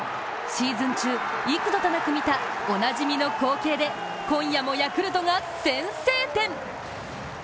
シーズン中、幾度となく見たおなじみの光景で、今夜もヤクルトが先制点。